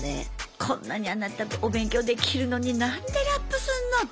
こんなにあなたお勉強できるのに何でラップすんのと。